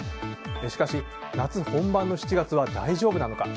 しかし、夏本番の７月は大丈夫なのか。